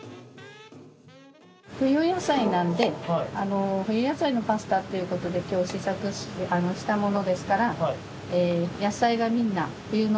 冬野菜なんで冬野菜のパスタっていうことで今日試作したものですから野菜がみんな冬の。